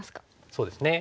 そうですね。